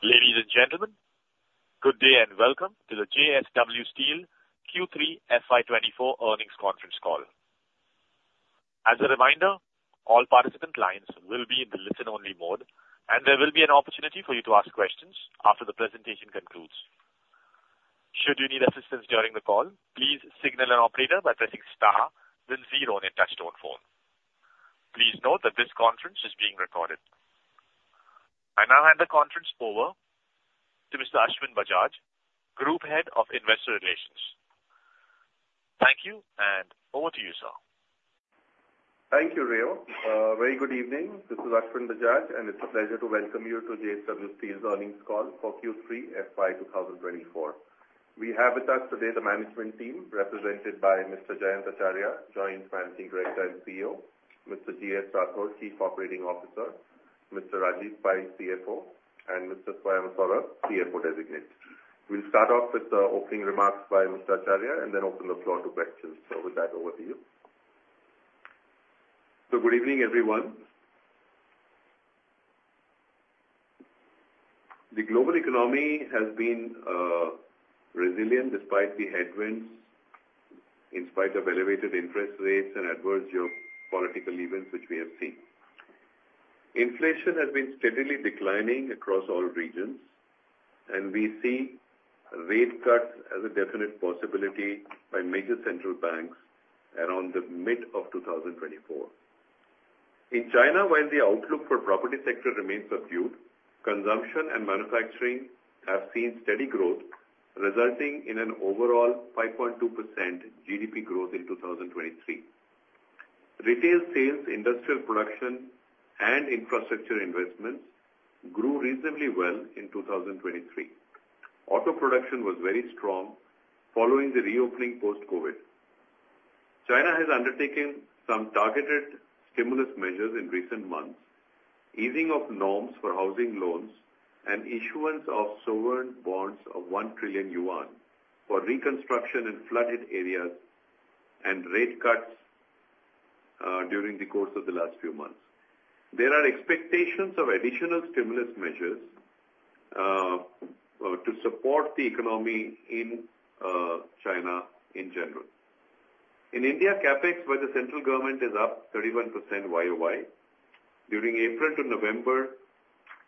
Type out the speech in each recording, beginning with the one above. Ladies and gentlemen, good day, and welcome to the JSW Steel Q3 FY 2024 earnings conference call. As a reminder, all participant lines will be in the listen-only mode, and there will be an opportunity for you to ask questions after the presentation concludes. Should you need assistance during the call, please signal an operator by pressing star then zero on your touchtone phone. Please note that this conference is being recorded. I now hand the conference over to Mr. Ashwin Bajaj, Group Head of Investor Relations. Thank you, and over to you, sir. Thank you, Reo. Very good evening. This is Ashwin Bajaj, and it's a pleasure to welcome you to JSW Steel's earnings call for Q3 FY 2024. We have with us today the management team, represented by Mr. Jayant Acharya, Joint Managing Director and CEO, Mr. Gajraj Rathore, Chief Operating Officer, Mr. Rajeev Pai, CFO, and Mr. Swayam Saurabh, CFO Designate. We'll start off with the opening remarks by Mr. Acharya and then open the floor questions. With that, over to you. Good evening, everyone. The global economy has been resilient despite the headwinds, in spite of elevated interest rates and adverse geopolitical events, which we have seen. Inflation has been steadily declining across all regions, and we see rate cuts as a definite possibility by major central banks around the mid of 2024. In China, while the outlook for property sector remains subdued, consumption and manufacturing have seen steady growth, resulting in an overall 5.2% GDP growth in 2023. Retail sales, industrial production, and infrastructure investments grew reasonably well in 2023. Auto production was very strong following the reopening post-COVID. China has undertaken some targeted stimulus measures in recent months, easing of norms for housing loans and issuance of sovereign bonds of 1 trillion yuan for reconstruction in flooded areas and rate cuts, during the course of the last few months. There are expectations of additional stimulus measures, to support the economy in, China in general. In India, CapEx, where the central government is up 31% year-o-year. During April to November,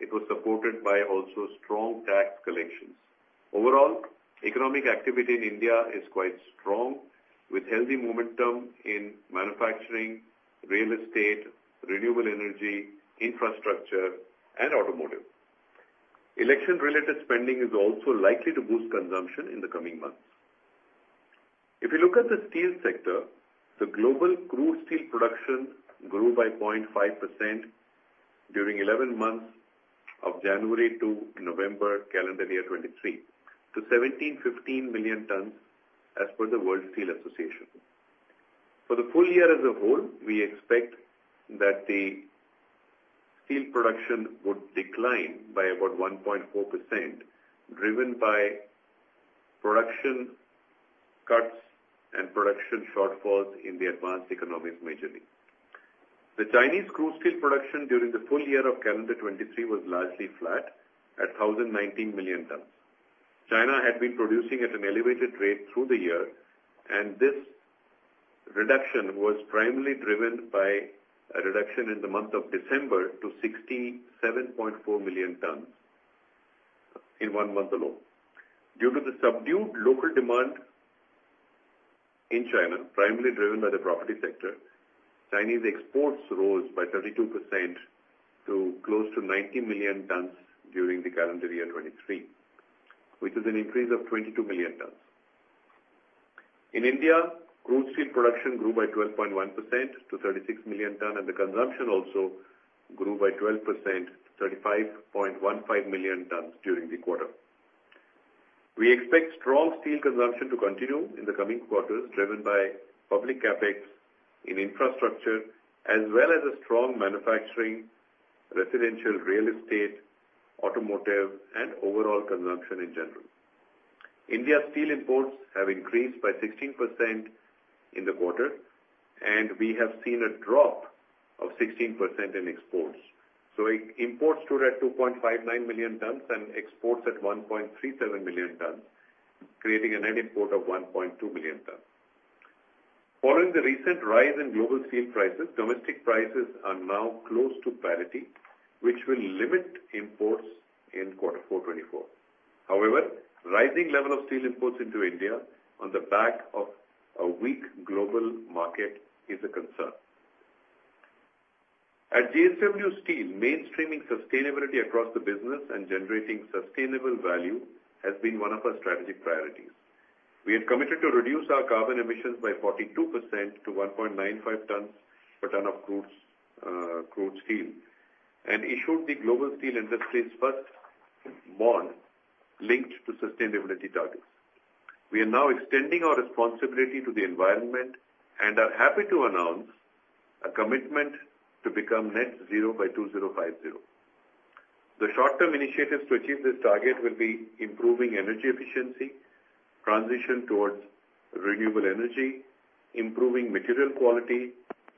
it was supported by also strong tax collections. Overall, economic activity in India is quite strong, with healthy momentum in manufacturing, real estate, renewable energy, infrastructure, and automotive. Election-related spending is also likely to boost consumption in the coming months. If you look at the steel sector, the global crude steel production grew by 0.5% during 11 months of January to November, calendar year 2023, to 1,715 million tons, as per the World Steel Association. For the full year as a whole, we expect that the steel production would decline by about 1.4%, driven by production cuts and production shortfalls in the advanced economies, majorly. The Chinese crude steel production during the full year of calendar 2023 was largely flat at 1,019 million tons. China had been producing at an elevated rate through the year, and this reduction was primarily driven by a reduction in the month of December to 67.4 million tons in one month alone. Due to the subdued local demand in China, primarily driven by the property sector, Chinese exports rose by 32% to close to 90 million tons during the calendar year 2023, which is an increase of 22 million tons. In India, crude steel production grew by 12.1% to 36 million tons, and the consumption also grew by 12%, 35.15 million tons during the quarter. We expect strong steel consumption to continue in the coming quarters, driven by public CapEx in infrastructure, as well as a strong manufacturing, residential real estate, automotive, and overall consumption in general. India's steel imports have increased by 16% in the quarter, and we have seen a drop of 16% in exports. So imports stood at 2.59 million tons and exports at 1.37 million tons, creating a net import of 1.2 million tons. Following the recent rise in global steel prices, domestic prices are now close to parity, which will limit imports in quarter four 2024. However, rising level of steel imports into India on the back of a weak global market is a concern. At JSW Steel, mainstreaming sustainability across the business and generating sustainable value has been one of our strategic priorities. We are committed to reduce our carbon emissions by 42% to 1.95 tons per ton of crude steel, and issued the global steel industry's first bond linked to sustainability targets. We are now extending our responsibility to the environment and are happy to announce a commitment to become net zero by 2050. The short-term initiatives to achieve this target will be improving energy efficiency, transition towards renewable energy, improving material quality,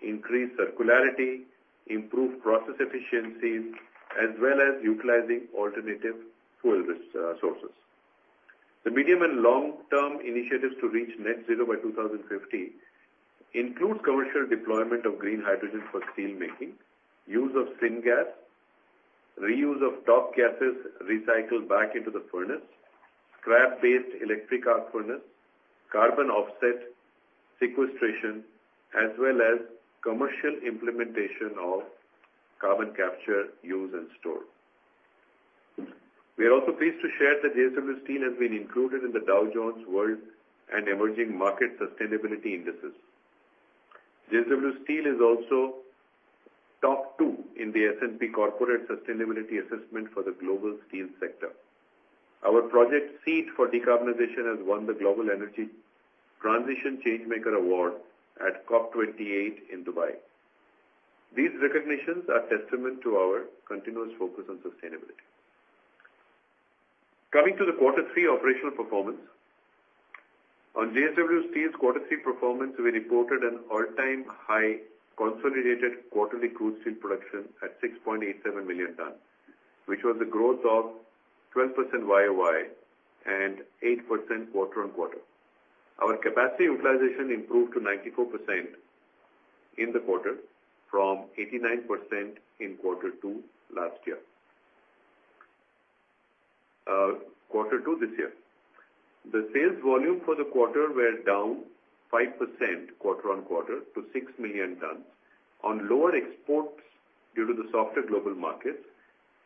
increased circularity, improved process efficiencies, as well as utilizing alternative fuel resources. The medium and long-term initiatives to reach net zero by 2050 includes commercial deployment of green hydrogen for steelmaking, use of syngas, reuse of top gases recycled back into the furnace, scrap-based electric arc furnace, carbon offset sequestration, as well as commercial implementation of carbon capture use and store. We are also pleased to share that JSW Steel has been included in the Dow Jones World and Emerging Market Sustainability Indices. JSW Steel is also top two in the S&P Corporate Sustainability Assessment for the global steel sector. Our Project SEED for Decarbonization has won the Global Energy Transition Changemaker Award at COP 28 in Dubai. These recognitions are testament to our continuous focus on sustainability. Coming to the Quarter Three operational performance. On JSW Steel's Quarter Three performance, we reported an all-time high consolidated quarterly crude steel production at 6.87 million tons, which was a growth of 12% YOY and 8% quarter-on-quarter. Our capacity utilization improved to 94% in the quarter, from 89% in Quarter Two last year. Quarter Two this year. The sales volume for the quarter were down 5% quarter-on-quarter to 6 million tons, on lower exports due to the softer global markets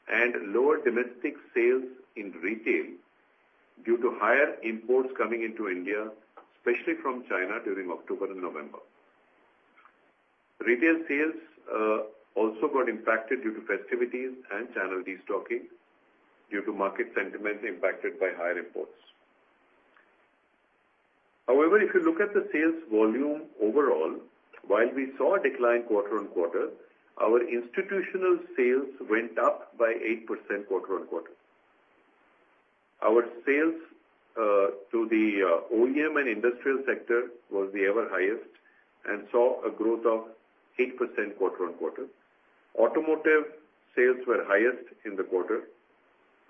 and lower domestic sales in retail due to higher imports coming into India, especially from China during October and November. Retail sales also got impacted due to festivities and channel destocking, due to market sentiment impacted by higher imports. However, if you look at the sales volume overall, while we saw a decline quarter-on-quarter, our institutional sales went up by 8% quarter-on-quarter. Our sales to the OEM and industrial sector was the ever highest and saw a growth of 8% quarter-on-quarter. Automotive sales were highest in the quarter.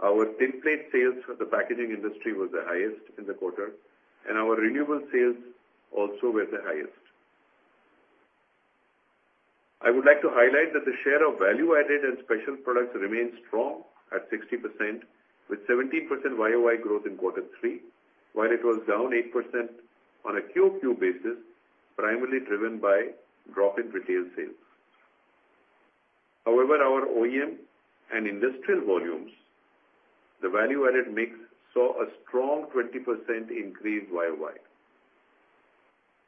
Our tinplate sales for the packaging industry was the highest in the quarter, and our renewable sales also were the highest. I would like to highlight that the share of value-added and special products remains strong at 60%, with 17% YoY growth in Quarter Three, while it was down 8% on a QoQ basis, primarily driven by drop in retail sales. However, our OEM and industrial volumes, the value-added mix, saw a strong 20% increase YoY.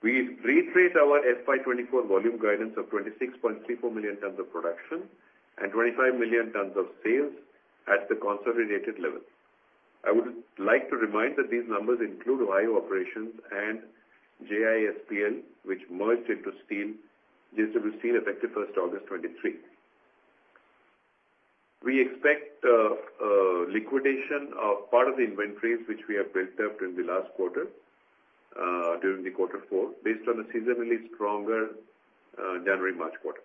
We reiterate our FY 2024 volume guidance of 26.34 million tons of production and 25 million tons of sales at the consolidated level. I would like to remind that these numbers include Ohio operations and JISPL, which merged into steel, JSW Steel, effective August 1st, 2023. We expect liquidation of part of the inventories, which we have built up during the last quarter during the Quarter Four, based on a seasonally stronger January-March quarter.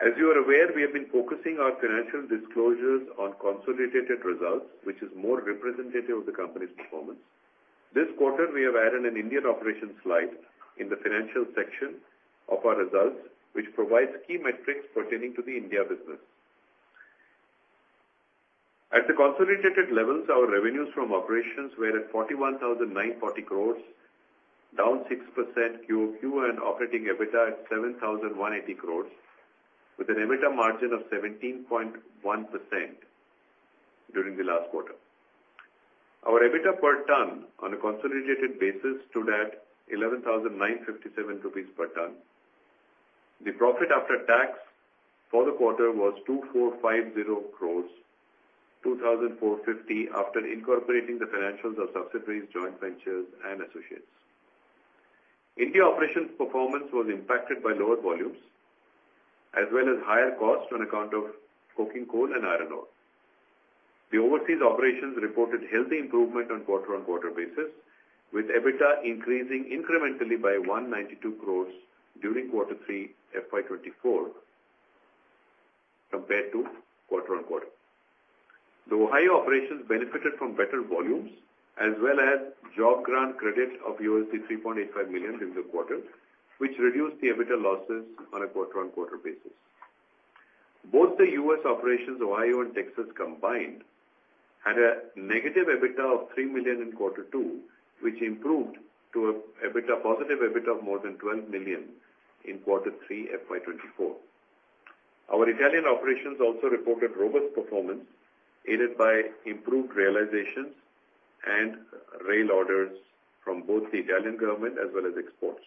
As you are aware, we have been focusing our financial disclosures on consolidated results, which is more representative of the company's performance. This quarter, we have added an Indian operations slide in the financial section of our results, which provides key metrics pertaining to the India business. At the consolidated levels, our revenues from operations were at 41,940 crores, down 6% QoQ, and operating EBITDA at 7,180 crores, with an EBITDA margin of 17.1% during the last quarter. Our EBITDA per tonne on a consolidated basis stood at 11,957 rupees per tonne. The profit after tax for the quarter was 2,450 crores, 2,450 crores after incorporating the financials of subsidiaries, joint ventures, and associates. India operations performance was impacted by lower volumes, as well as higher costs on account of coking coal and iron ore. The overseas operations reported healthy improvement on quarter-over-quarter basis, with EBITDA increasing incrementally by 192 crores during Q3, FY 2024, compared to quarter-over-quarter. The Ohio operations benefited from better volumes as well as job grant credit of $3.85 million during the quarter, which reduced the EBITDA losses on a quarter-on-quarter basis. Both the U.S. operations, Ohio and Texas combined, had a negative EBITDA of $3 million in Quarter 2, which improved to a positive EBITDA of more than $12 million in Quarter 3, FY 2024. Our Italian operations also reported robust performance, aided by improved realizations and rail orders from both the Italian government as well as exports.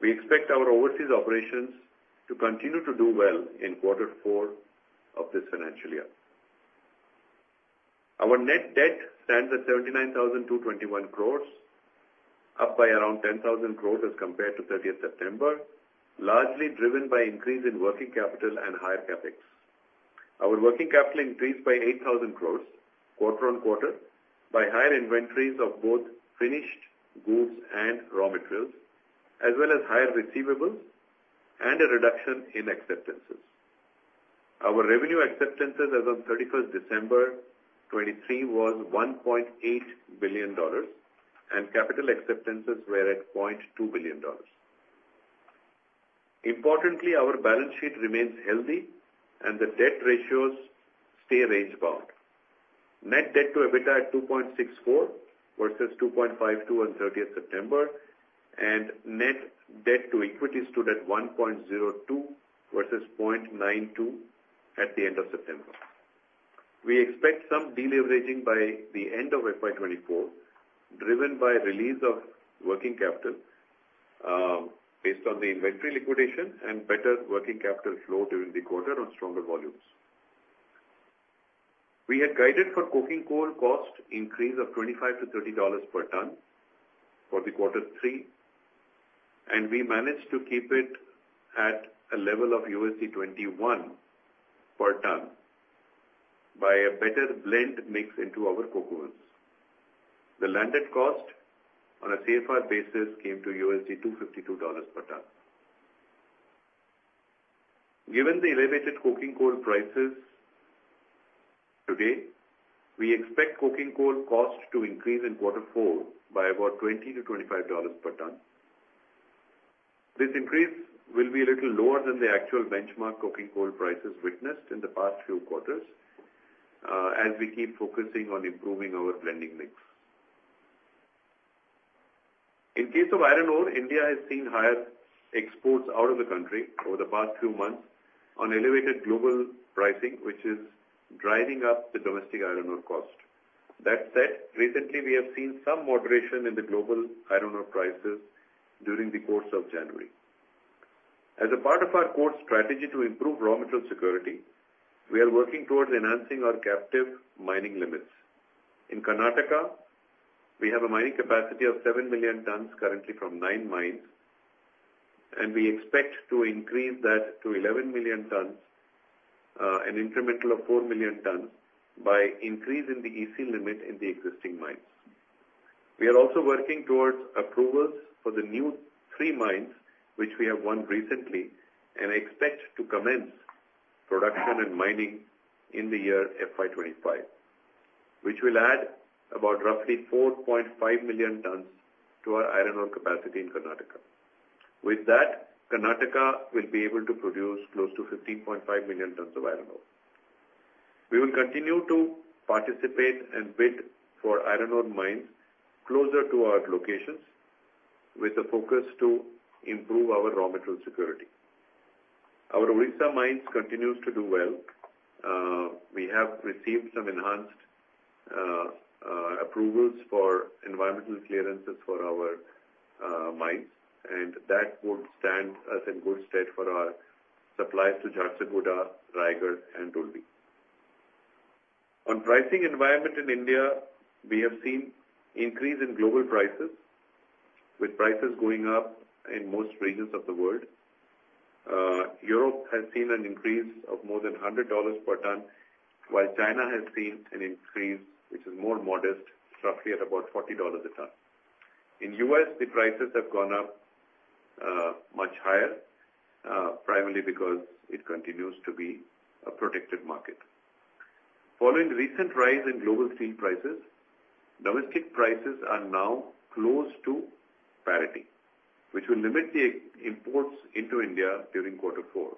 We expect our overseas operations to continue to do well in Quarter four of this financial year. Our net debt stands at 79,221 crores, up by around 10,000 crores as compared to 30 September, largely driven by increase in working capital and higher CapEx. Our working capital increased by 8,000 crore quarter-on-quarter, by higher inventories of both finished goods and raw materials, as well as higher receivables and a reduction in acceptances. Our revenue acceptances as of December 31st, 2023 was $1.8 billion, and capital acceptances were at $0.2 billion. Importantly, our balance sheet remains healthy and the debt ratios stay range bound. Net debt to EBITDA at 2.64x versus 2.52x on September 30th, and net debt to equity stood at 1.02x versus 0.92x at the end of September. We expect some deleveraging by the end of FY 2024, driven by release of working capital, based on the inventory liquidation and better working capital flow during the quarter on stronger volumes. We had guided for coking coal cost increase of $25-$30 per ton for the quarter three, and we managed to keep it at a level of $21 per ton by a better blend mix into our coke ovens. The landed cost on a CFR basis came to $252 per ton. Given the elevated coking coal prices today, we expect coking coal cost to increase in quarter four by about $20-$25 per ton. This increase will be a little lower than the actual benchmark coking coal prices witnessed in the past few quarters, as we keep focusing on improving our blending mix. In case of iron ore, India has seen higher exports out of the country over the past few months on elevated global pricing, which is driving up the domestic iron ore cost. That said, recently we have seen some moderation in the global iron ore prices during the course of January. As a part of our core strategy to improve raw material security, we are working towards enhancing our captive mining limits. In Karnataka, we have a mining capacity of 7 million tons, currently from nine mines, and we expect to increase that to 11 million tons, an incremental of 4 million tons, by increasing the EC limit in the existing mines. We are also working towards approvals for the new 3 mines, which we have won recently, and expect to commence production and mining in the year FY 2025, which will add about roughly 4.5 million tons to our iron ore capacity in Karnataka. With that, Karnataka will be able to produce close to 15.5 million tons of iron ore. We will continue to participate and bid for iron ore mines closer to our locations, with a focus to improve our raw material security. Our Odisha mines continues to do well. We have received some enhanced approvals for environmental clearances for our mines, and that would stand us in good stead for our supplies to Jharsuguda, Raigarh, and Dolvi. On pricing environment in India, we have seen increase in global prices, with prices going up in most regions of the world. Europe has seen an increase of more than $100 per ton, while China has seen an increase, which is more modest, roughly at about $40 a ton. In U.S., the prices have gone up much higher, primarily because it continues to be a protected market. Following the recent rise in global steel prices, domestic prices are now close to parity, which will limit the imports into India during quarter four.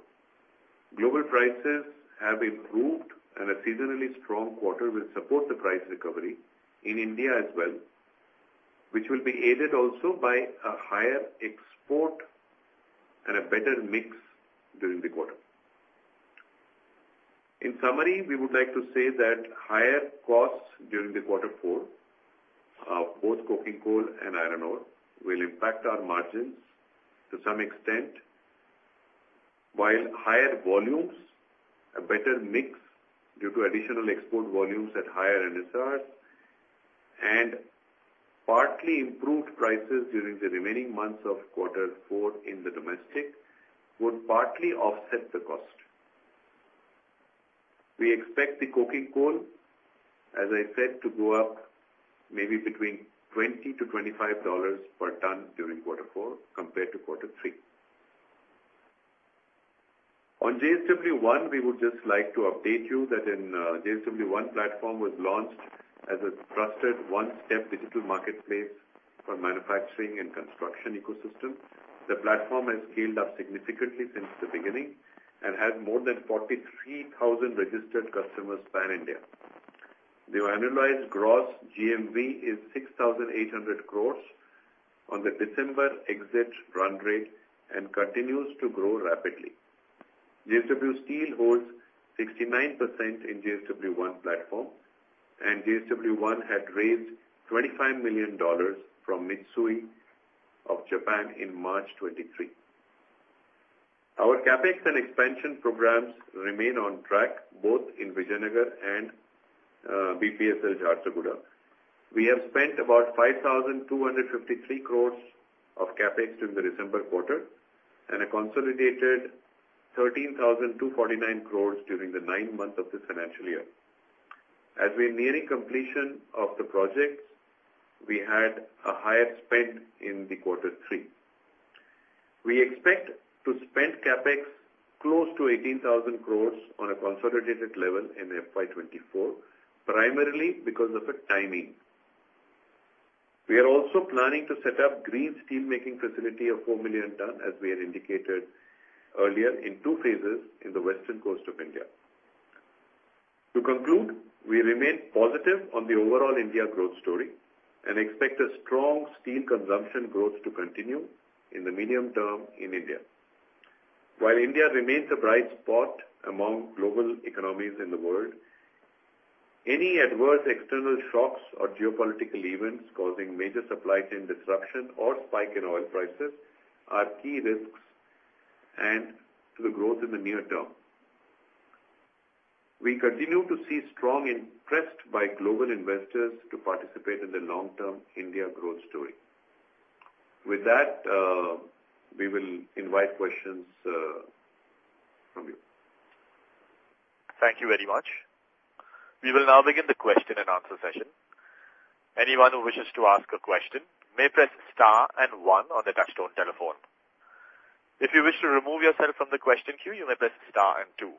Global prices have improved, and a seasonally strong quarter will support the price recovery in India as well, which will be aided also by a higher export and a better mix during the quarter. In summary, we would like to say that higher costs during quarter four, both coking coal and iron ore, will impact our margins to some extent, while higher volumes, a better mix due to additional export volumes at higher NSRs, and partly improved prices during the remaining months of quarter four in the domestic, would partly offset the cost. We expect the coking coal, as I said, to go up maybe between $20-$25 per ton during quarter four compared to quarter three. On JSW One, we would just like to update you that JSW One Platforms was launched as a trusted one-step digital marketplace for manufacturing and construction ecosystem. The platform has scaled up significantly since the beginning and has more than 43,000 registered customers pan-India. The annualized gross GMV is 6,800 crores on the December exit run rate and continues to grow rapidly. JSW Steel holds 69% in JSW One Platforms, and JSW One Platforms had raised $25 million from Mitsui of Japan in March 2023. Our CapEx and expansion programs remain on track both in Vijayanagar and BPSL Jharsuguda. We have spent about 5,253 crores of CapEx during the December quarter, and a consolidated 13,249 crores during the nine months of this financial year. As we're nearing completion of the projects, we had a higher spend in quarter three. We expect to spend CapEx close to 18,000 crore on a consolidated level in FY 2024, primarily because of the timing. We are also planning to set up green steelmaking facility of 4 million ton, as we had indicated earlier, in two phases in the western coast of India. To conclude, we remain positive on the overall India growth story and expect a strong steel consumption growth to continue in the medium term in India. While India remains a bright spot among global economies in the world, any adverse external shocks or geopolitical events causing major supply chain disruption or spike in oil prices are key risks and to the growth in the near term. We continue to see strong interest by global investors to participate in the long-term India growth story. With that, we will invite questions from you. Thank you very much. We will now begin the question and answer session. Anyone who wishes to ask a question, may press star and one on the touchtone telephone. If you wish to remove yourself from the question queue, you may press star and two.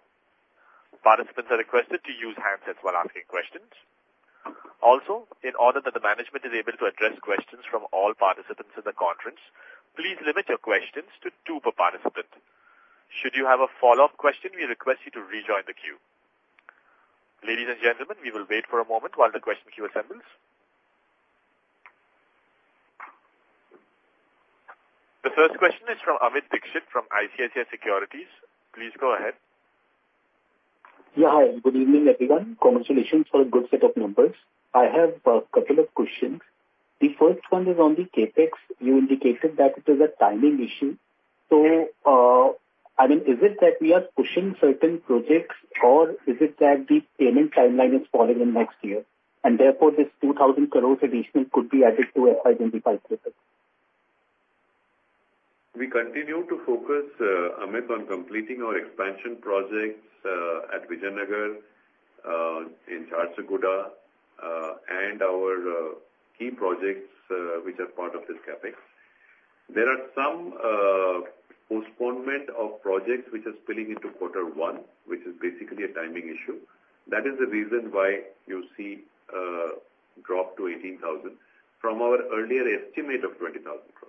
Participants are requested to use handsets while asking questions. Also, in order that the management is able to address questions from all participants in the conference, please limit your questions to two per participant. Should you have a follow-up question, we request you to rejoin the queue. Ladies and gentlemen, we will wait for a moment while the question queue assembles. The first question is from Amit Dixit from ICICI Securities. Please go ahead. Yeah, hi, good evening, everyone. Congratulations for a good set of numbers. I have a couple of questions. The first one is on the CapEx. You indicated that it is a timing issue. So, I mean, is it that we are pushing certain projects, or is it that the payment timeline is falling in next year, and therefore, this 2,000 crore additional could be added to FY 2025 CapEx? We continue to focus, Amit, on completing our expansion projects at Vijayanagar in Jharsuguda and our key projects which are part of this CapEx. There are some postponement of projects which are spilling into quarter one, which is basically a timing issue. That is the reason why you see a drop to 18,000 crore from our earlier estimate of 20,000 crore.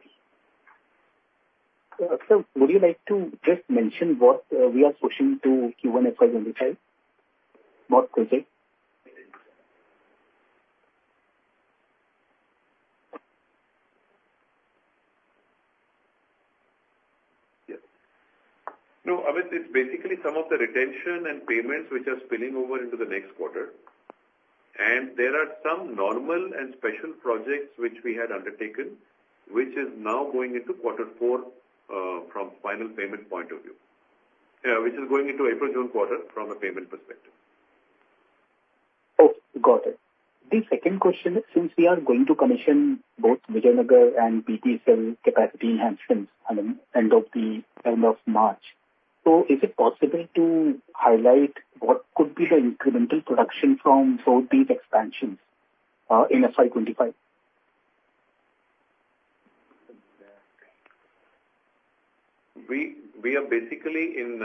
Sir, would you like to just mention what we are pushing to Q1 FY 25, more quickly? Yes. No, Amit, it's basically some of the retention and payments which are spilling over into the next quarter. There are some normal and special projects which we had undertaken, which is now going into quarter four, from final payment point of view. Which is going into April-June quarter from a payment perspective. Oh, got it. The second question, since we are going to commission both Vijayanagar and BPSL capacity enhancements on the end of March, so is it possible to highlight what could be the incremental production from both these expansions in FY 2025? We are basically in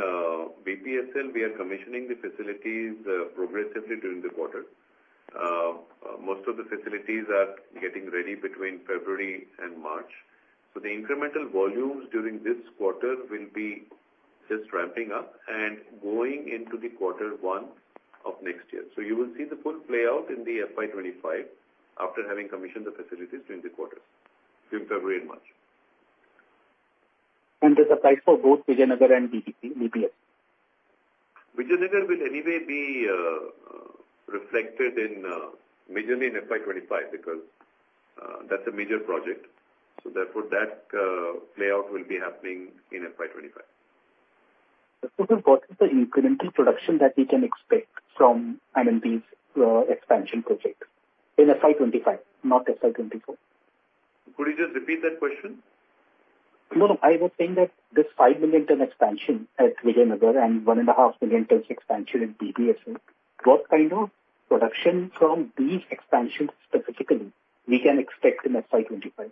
BPSL, we are commissioning the facilities progressively during the quarter. Most of the facilities are getting ready between February and March. So the incremental volumes during this quarter will be just ramping up and going into the quarter one of next year. So you will see the full playout in the FY 2025 after having commissioned the facilities during the quarters, between February and March. This applies for both Vijayanagar and BPSL? Vijayanagar will anyway be reflected in majorly in FY 2025, because that's a major project. So therefore, that playout will be happening in FY 2025. What is the incremental production that we can expect from, I mean, these expansion projects in FY 2025, not FY 2024? Could you just repeat that question? No, no. I was saying that this five million ton expansion at Vijayanagar and 1.5 million tons expansion in BPSL, what kind of production from these expansions specifically we can expect in FY 2025?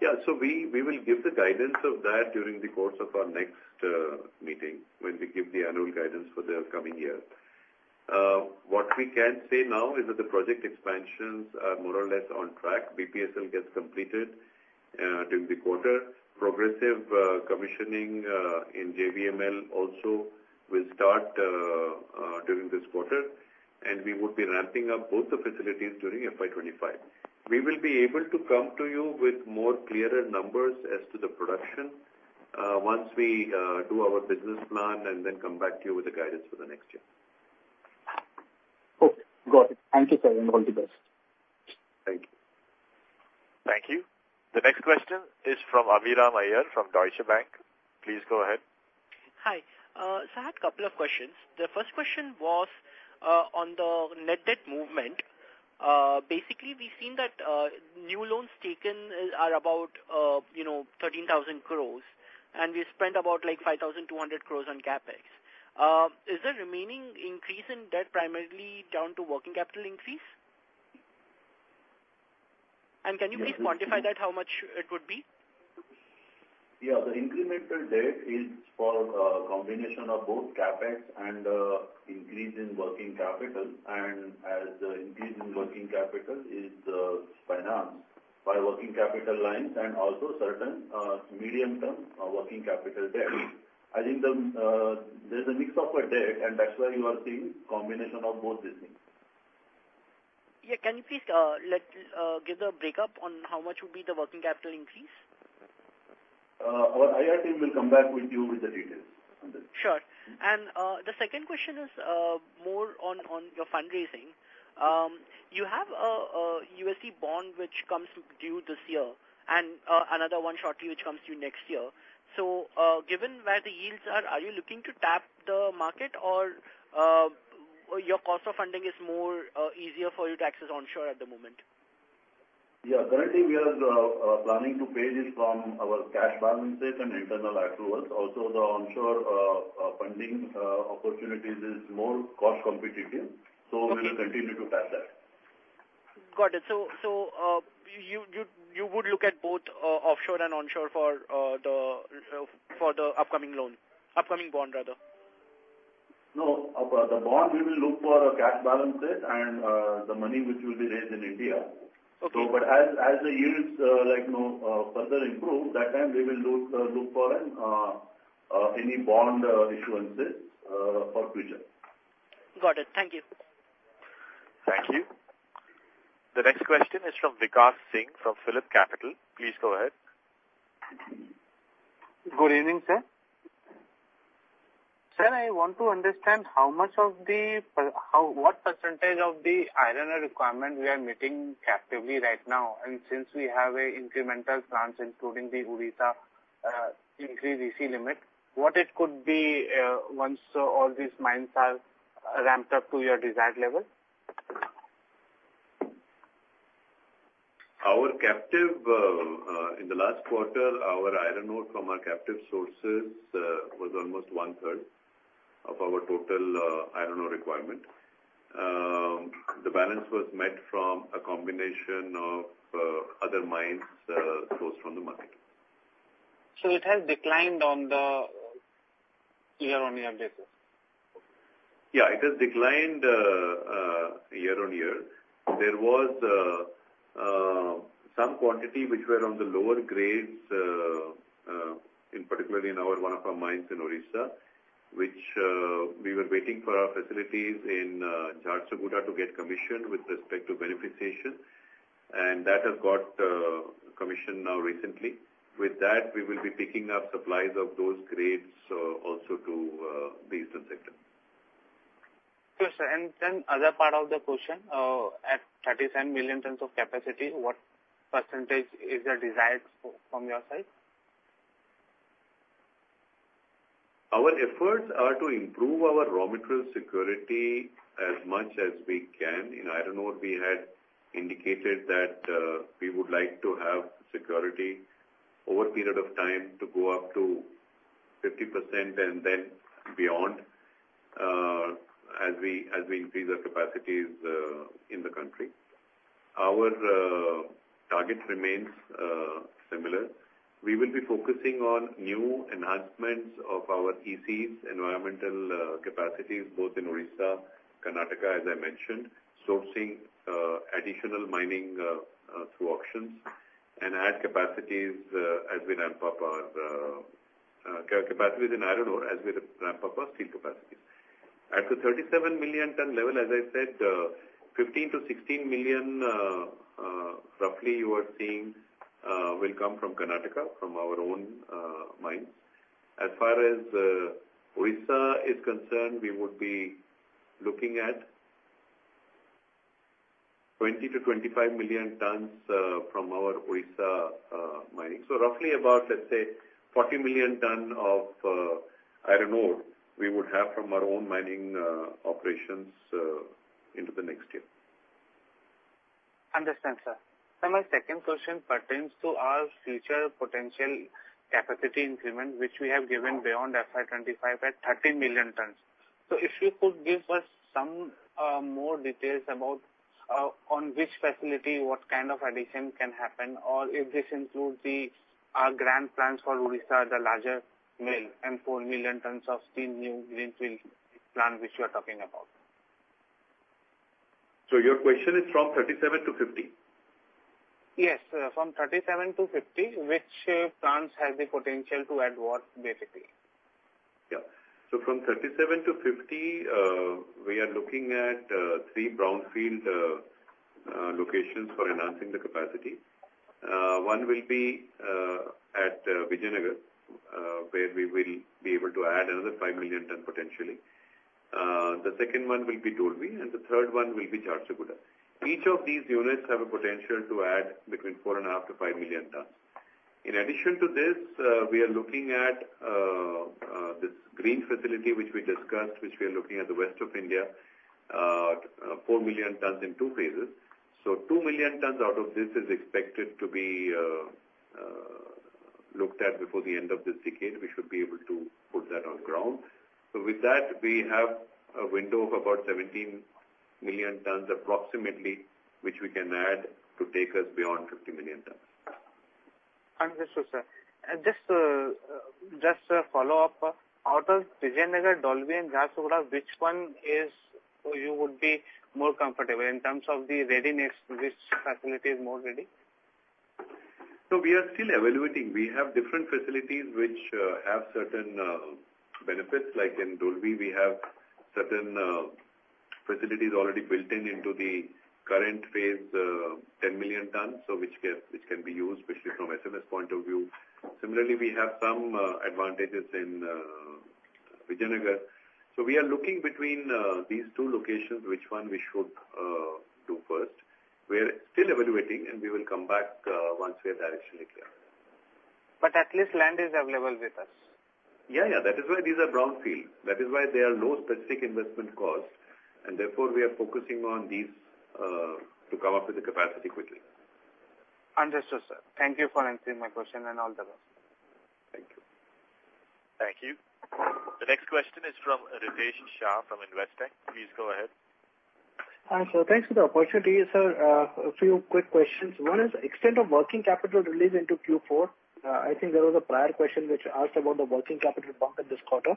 Yeah. So we, we will give the guidance of that during the course of our next meeting, when we give the annual guidance for the coming year. What we can say now is that the project expansions are more or less on track. BPSL gets completed during the quarter. Progressive commissioning in JVML also will start during this quarter, and we would be ramping up both the facilities during FY 2025. We will be able to come to you with more clearer numbers as to the production once we do our business plan and then come back to you with the guidance for the next year. Got it. Thank you, sir, and all the best. Thank you. Thank you. The next question is from Abhiram Iyer from Deutsche Bank. Please go ahead. Hi. So I had a couple of questions. The first question was on the net debt movement. Basically, we've seen that new loans taken is, are about, you know, 13,000 crore, and we spent about, like, 5,200 crore on CapEx. Is the remaining increase in debt primarily down to working capital increase? And can you please quantify that, how much it would be? Yeah, the incremental debt is for a combination of both CapEx and an increase in working capital, and as the increase in working capital is financed by working capital lines and also certain medium-term working capital debt. I think there's a mix of a debt, and that's why you are seeing combination of both these things. Yeah. Can you please give the breakup on how much would be the working capital increase? Our IR team will come back with you with the details on this. Sure. The second question is more on your fundraising. You have a USD bond which comes due this year, and another one shortly which comes due next year. So, given where the yields are, are you looking to tap the market or your cost of funding is more easier for you to access onshore at the moment? Yeah. Currently, we are planning to pay this from our cash balances and internal accruals. Also, the onshore funding opportunities is more cost competitive, so- Okay. -We will continue to tap that. Got it. So you would look at both offshore and onshore for the upcoming loan, upcoming bond, rather? No. The bond, we will look for cash balances and the money which will be raised in India. Okay. But as the yields like, you know, further improve, that time we will look for any bond issuances for future. Got it. Thank you. Thank you. The next question is from Vikas Singh from PhillipCapital. Please go ahead. Good evening, sir. Sir, I want to understand how much of the... how, what percentage of the iron ore requirement we are meeting captively right now, and since we have a incremental plants, including the Odisha, increased EC limit, what it could be, once all these mines are ramped up to your desired level? Our captive, in the last quarter, our iron ore from our captive sources was almost one-third of our total iron ore requirement. The balance was met from a combination of other mines sourced from the market. It has declined on the year-on-year basis? Yeah, it has declined year-on-year. There was some quantity which were on the lower grades in particularly in our one of our mines in Odisha, which we were waiting for our facilities in Jharsuguda to get commissioned with respect to beneficiation, and that has got commissioned now recently. With that, we will be picking up supplies of those grades also to the steel sector. Sure, sir. And then other part of the question, at 37 million tons of capacity, what percentage is the desired from your side? Our efforts are to improve our raw material security as much as we can. In iron ore, we had indicated that, we would like to have security over a period of time to go up to 50% and then beyond, as we, as we increase our capacities, in the country. Our, target remains, similar. We will be focusing on new enhancements of our ECs, environmental, capacities, both in Odisha, Karnataka, as I mentioned, sourcing, additional mining, through auctions, and add capacities, as we ramp up our, capacities in iron ore, as we ramp up our steel capacities. At the 37 million ton level, as I said, 15 million tons-16 million tons, roughly you are seeing, will come from Karnataka, from our own, mines. As far as Odisha is concerned, we would be looking at 20 million tons-25 million tons from our Odisha mining. So roughly about, let's say, 40 million tons of iron ore we would have from our own mining operations into the next year. Understand, sir. So my second question pertains to our future potential capacity increment, which we have given beyond FY 2025 at 13 million tons. So if you could give us some more details about on which facility, what kind of addition can happen, or if this includes the grand plans for Odisha, the larger mill, and 4 million tons of steel new greenfield plant, which you are talking about. Your question is from 37 million tons-50 million tons? Yes, from 37 million tons-50 million tons, which plants have the potential to add what, basically? Yeah. So from 37 million tons-50 million tons, we are looking at three brownfield locations for enhancing the capacity. One will be at Vijayanagar, where we will be able to add another five million tons potentially. The second one will be Dolvi, and the third one will be Jharsuguda. Each of these units have a potential to add between 4.5 million tons-5 million tons. In addition to this, we are looking at this green facility, which we discussed, which we are looking at the west of India, four million tons in two phases. So two million tons out of this is expected to be looked at before the end of this decade. We should be able to put that on ground. With that, we have a window of about 17 million tons, approximately, which we can add to take us beyond 50 million tons. Understood, sir. And just, just a follow-up. Out of Vijayanagar, Dolvi and Jharsuguda, which one is, you would be more comfortable? In terms of the readiness, which facility is more ready? So we are still evaluating. We have different facilities which have certain benefits, like in Dolvi, we have certain facilities already built into the current phase, 10 million tons, so which can be used, especially from SMS point of view. Similarly, we have some advantages in Vijayanagar. So we are looking between these two locations, which one we should do first. We are still evaluating, and we will come back once we are directionally clear. But at least land is available with us? Yeah, yeah. That is why these are brownfield. That is why there are no specific investment costs, and therefore, we are focusing on these, to come up with the capacity quickly. Understood, sir. Thank you for answering my question, and all the best. Thank you. Thank you. The next question is from Ritesh Shah from Investec. Please go ahead. Hi, sir. Thanks for the opportunity, sir. A few quick questions. One is extent of working capital release into Q4. I think there was a prior question which asked about the working capital bump in this quarter.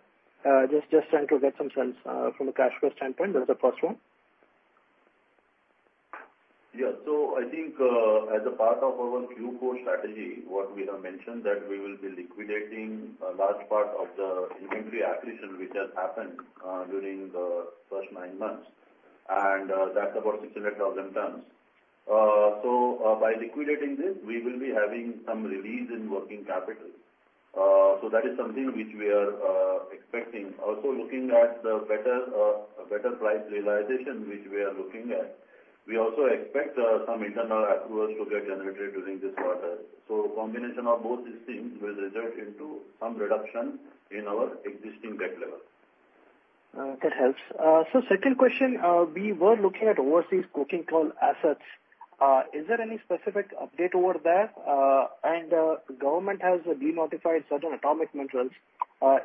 Just trying to get some sense from a cash flow standpoint. That's the first one. Yeah. So I think, as a part of our Q4 strategy, what we have mentioned, that we will be liquidating a large part of the inventory acquisition, which has happened, during the first nine months, and, that's about 600,000 tons. So, by liquidating this, we will be having some release in working capital. So that is something which we are expecting. Also, looking at the better price realization, which we are looking at. We also expect, some internal accruals to get generated during this quarter. So combination of both these things will result into some reduction in our existing debt level. That helps. So second question. We were looking at overseas coking coal assets. Is there any specific update over there? And government has denotified certain atomic minerals.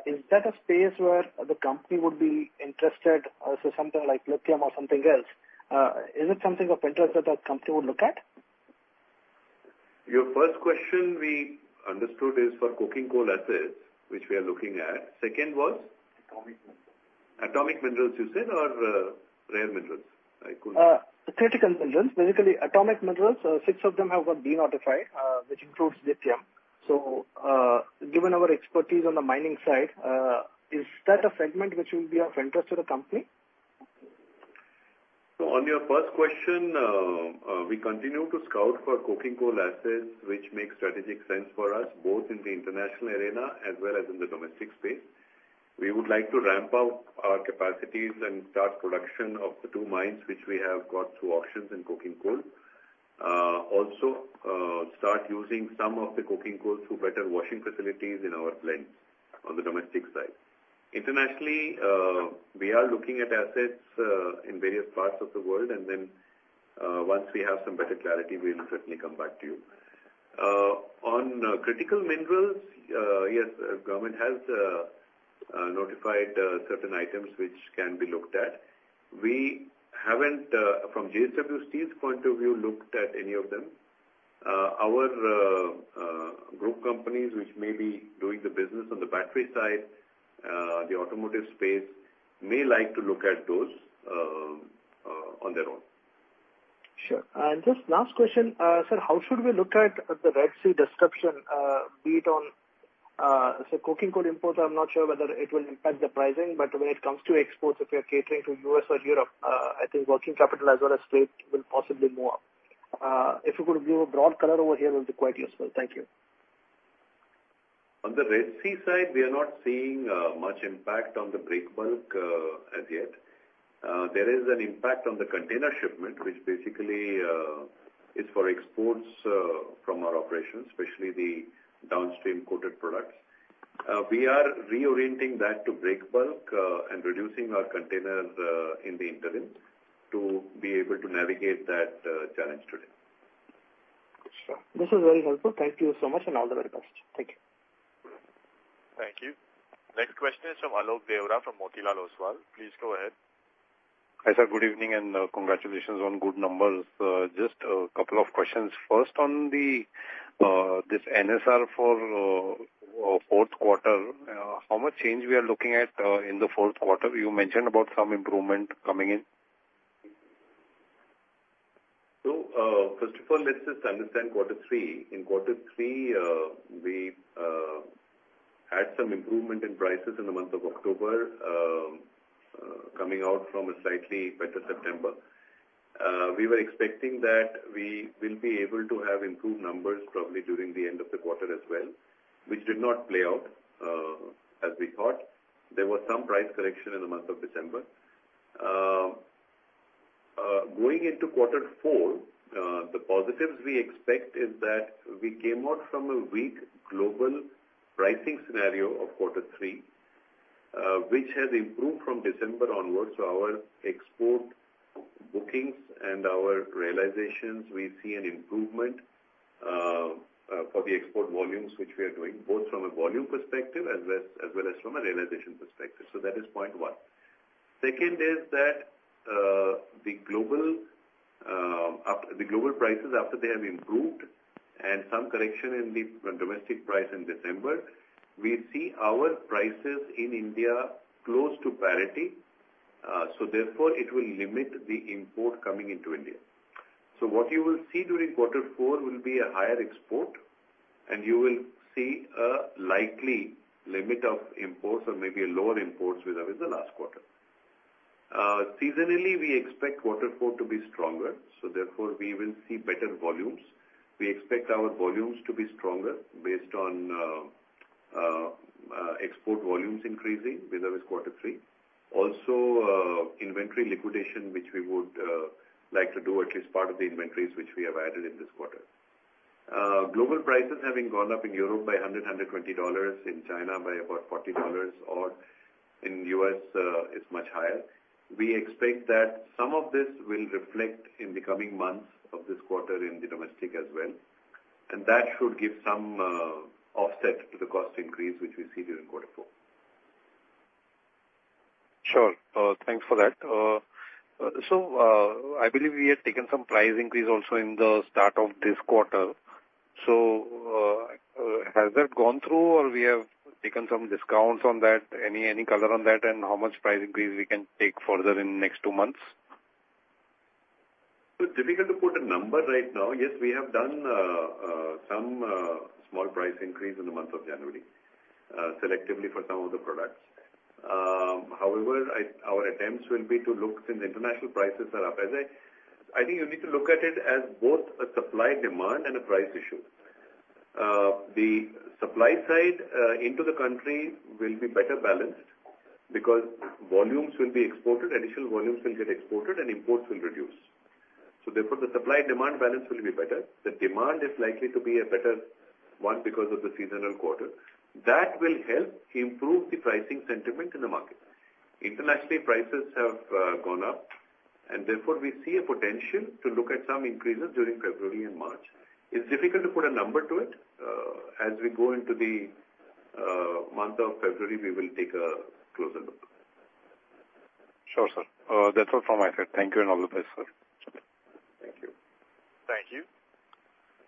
Is that a space where the company would be interested, so something like lithium or something else? Is it something of interest that our company would look at? Your first question, we understood, is for coking coal assets, which we are looking at. Second was? Atomic minerals. Atomic minerals, you said, or rare minerals? I couldn't- Critical minerals. Basically, atomic minerals, six of them have got denotified, which includes lithium. Given our expertise on the mining side, is that a segment which will be of interest to the company? On your first question, we continue to scout for coking coal assets, which makes strategic sense for us, both in the international arena as well as in the domestic space. We would like to ramp up our capacities and start production of the two mines, which we have got through auctions in coking coal. Also, start using some of the coking coal through better washing facilities in our plants on the domestic side. Internationally, we are looking at assets in various parts of the world, and then, once we have some better clarity, we will certainly come back to you. On critical minerals, yes, government has notified certain items which can be looked at. We haven't, from JSW's point of view, looked at any of them. Our group companies, which may be doing the business on the battery side, the automotive space, may like to look at those, on their own. Sure. And just last question. Sir, how should we look at the Red Sea disruption, be it on so coking coal imports, I'm not sure whether it will impact the pricing. But when it comes to exports, if you are catering to U.S. or Europe, I think working capital as well as trade will possibly more. If you could give a broad color over here, it will be quite useful. Thank you. On the Red Sea side, we are not seeing much impact on the break bulk as yet. There is an impact on the container shipment, which basically is for exports from our operations, especially the downstream coated products. We are reorienting that to break bulk and reducing our containers in the interim, to be able to navigate that challenge today. Sure. This is very helpful. Thank you so much, and all the very best. Thank you. Thank you. Next question is from Alok Deora, from Motilal Oswal. Please go ahead. Hi, sir, good evening, and congratulations on good numbers. Just a couple of questions. First, on the, this NSR for fourth quarter, how much change we are looking at, in the fourth quarter? You mentioned about some improvement coming in. So, first of all, let's just understand quarter three. In quarter three, we had some improvement in prices in the month of October, coming out from a slightly better September. We were expecting that we will be able to have improved numbers probably during the end of the quarter as well, which did not play out, as we thought. There was some price correction in the month of December. Going into quarter four, the positives we expect is that we came out from a weak global pricing scenario of quarter three, which has improved from December onwards. So our export bookings and our realizations, we see an improvement, for the export volumes, which we are doing, both from a volume perspective, as well, as well as from a realization perspective. So that is point one. Second is that, the global, the global prices, after they have improved and some correction in the domestic price in December, we see our prices in India close to parity. So therefore, it will limit the import coming into India. So what you will see during quarter four will be a higher export, and you will see a likely limit of imports or maybe lower imports with us in the last quarter. Seasonally, we expect quarter four to be stronger, so therefore we will see better volumes. We expect our volumes to be stronger based on, export volumes increasing with our quarter three. Also, inventory liquidation, which we would, like to do at least part of the inventories, which we have added in this quarter. Global prices having gone up in Europe by $120, in China by about $40, or in U.S., it's much higher. We expect that some of this will reflect in the coming months of this quarter in the domestic as well, and that should give some offset to the cost increase, which we see during quarter four. Sure. Thanks for that. So, I believe we had taken some price increase also in the start of this quarter. So, has that gone through, or we have taken some discounts on that? Any color on that, and how much price increase we can take further in next two months? It's difficult to put a number right now. Yes, we have done some small price increase in the month of January, selectively for some of the products. However, our attempts will be to look since international prices are up. I think you need to look at it as both a supply, demand and a price issue. The supply side into the country will be better balanced because volumes will be exported, additional volumes will get exported, and imports will reduce. So therefore, the supply-demand balance will be better. The demand is likely to be a better one because of the seasonal quarter. That will help improve the pricing sentiment in the market. Internationally, prices have gone up, and therefore, we see a potential to look at some increases during February and March. It's difficult to put a number to it. As we go into the month of February, we will take a closer look. Sure, sir. That's all from my side. Thank you and all the best, sir. Thank you. Thank you.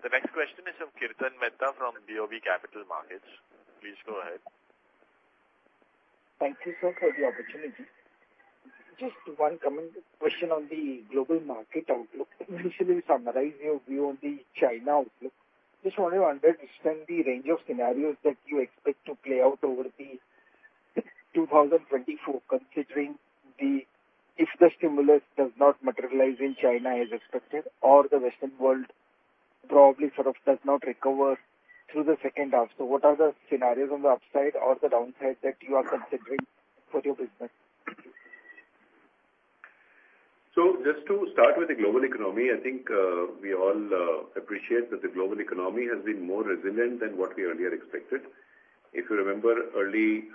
The next question is from Kirtan Mehta, from BoB Capital Markets. Please go ahead. Thank you, sir, for the opportunity. Just one comment, question on the global market outlook. Usually summarize your view on the China outlook. Just wanted to understand the range of scenarios that you expect to play out over 2024, considering if the stimulus does not materialize in China as expected, or the Western world probably sort of does not recover through the second half. So what are the scenarios on the upside or the downside that you are considering for your business? So just to start with the global economy, I think, we all, appreciate that the global economy has been more resilient than what we earlier expected. If you remember, early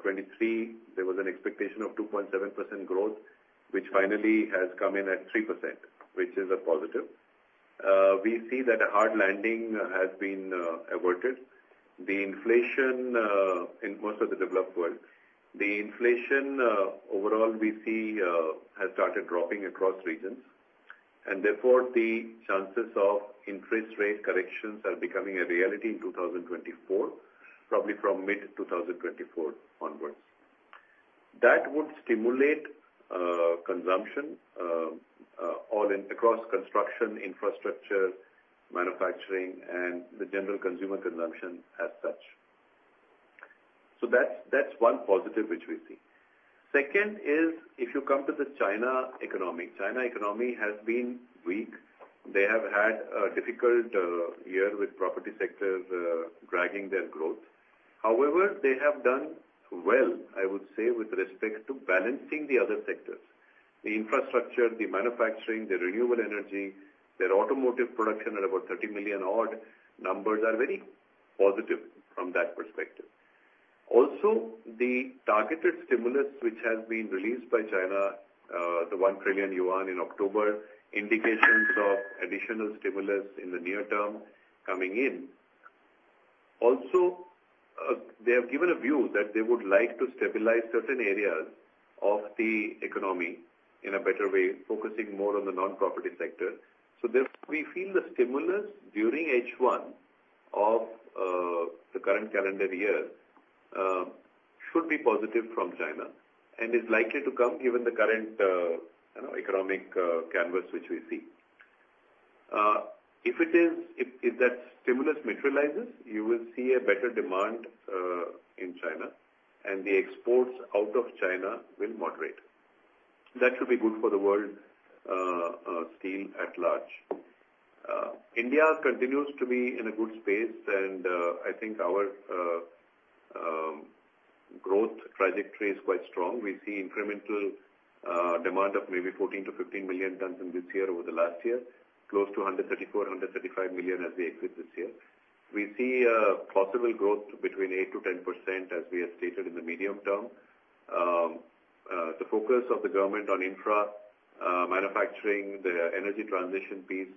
2023, there was an expectation of 2.7% growth, which finally has come in at 3%, which is a positive. We see that a hard landing has been, averted. The inflation, in most of the developed world, the inflation, overall, we see, has started dropping across regions, and therefore, the chances of interest rate corrections are becoming a reality in 2024, probably from mid-2024 onwards. That would stimulate, consumption, across construction, infrastructure, manufacturing, and the general consumer consumption as such. So that's, that's one positive, which we see. Second is, if you come to the China economy. China economy has been weak. They have had a difficult year with property sector dragging their growth. However, they have done well, I would say, with respect to balancing the other sectors. The infrastructure, the manufacturing, the renewable energy, their automotive production at about 30 million odd numbers are very positive from that perspective. Also, the targeted stimulus, which has been released by China, the 1 trillion yuan in October, indications of additional stimulus in the near term coming in. Also, they have given a view that they would like to stabilize certain areas of the economy in a better way, focusing more on the non-property sector. So therefore, we feel the stimulus during H1 of the current calendar year should be positive from China and is likely to come given the current, you know, economic canvas, which we see. If it is, if that stimulus materializes, you will see a better demand in China, and the exports out of China will moderate. That should be good for the world steel at large. India continues to be in a good space, and I think our growth trajectory is quite strong. We see incremental demand of maybe 14 million tons-15 million tons in this year over the last year, close to 134 million tons-135 million tons as we exit this year. We see a possible growth between 8%-10%, as we have stated in the medium term. The focus of the government on infra manufacturing, the energy transition piece,